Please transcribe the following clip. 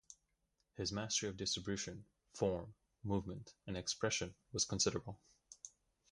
His mastery of distribution, form, movement and expression was considerable.